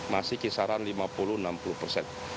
masih kisaran lima puluh enam puluh persen